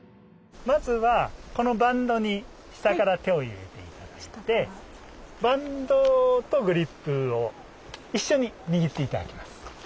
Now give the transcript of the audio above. まずはこのバンドに下から手を入れて頂いてバンドとグリップを一緒に握って頂きます。